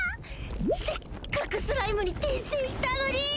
せっかくスライムに転生したのに